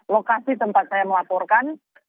lokasi tempat saya melaporkan